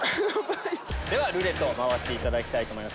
ではルーレット回していただきたいと思います。